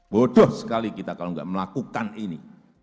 bodoh sekali kita kalau tidak melakukan ini